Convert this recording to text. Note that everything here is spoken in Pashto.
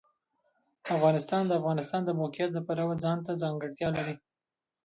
افغانستان د د افغانستان د موقعیت د پلوه ځانته ځانګړتیا لري.